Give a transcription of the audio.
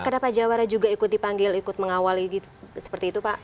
kenapa jawara juga ikut dipanggil ikut mengawal seperti itu pak